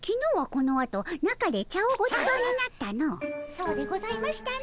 そうでございましたね。